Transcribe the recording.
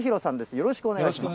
よろしくお願いします。